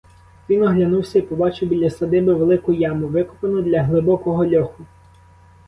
Він оглянувся й побачив біля садиби велику яму, викопану для глибокого льоху.